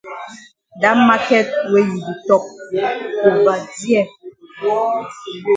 Dat maket wey you di tok ova dear.